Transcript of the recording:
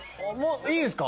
いいですか？